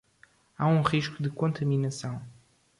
Há um risco de contaminação